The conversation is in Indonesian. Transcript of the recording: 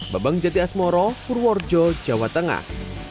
babang jati asmoro purworejo jawa tengah